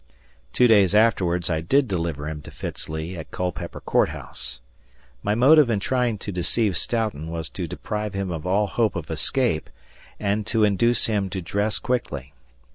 Two days afterwards I did deliver him to Fitz Lee at Culpeper Court House. My motive in trying to deceive Stoughton was to deprive him of all hope of escape and to induce him to dress quickly.